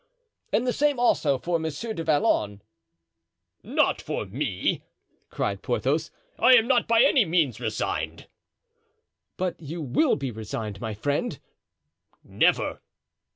"And the same, also, for Monsieur du Vallon——" "Not for me," cried Porthos; "I am not by any means resigned." "But you will be resigned, my friend." "Never!"